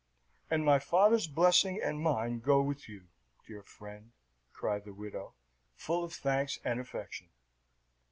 "And my father's blessing and mine go with you, dear friend!" cried the widow, full of thanks and affection.